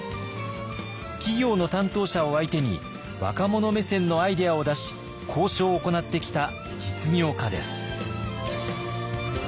企業の担当者を相手に若者目線のアイデアを出し交渉を行ってきた実業家です。